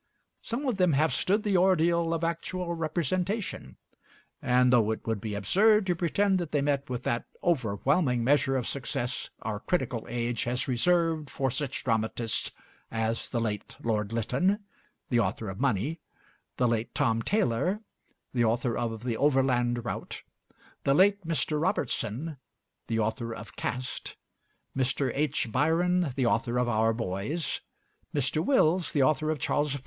Some of them have stood the ordeal of actual representation; and though it would be absurd to pretend that they met with that overwhelming measure of success our critical age has reserved for such dramatists as the late Lord Lytton, the author of 'Money,' the late Tom Taylor, the author of 'The Overland Route,' the late Mr. Robertson, the author of 'Caste,' Mr. H. Byron, the author of 'Our Boys,' Mr. Wills, the author of 'Charles I.